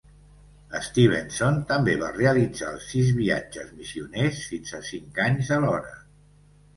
Stevenson també va realitzar sis viatges missioners, fins a cinc anys alhora.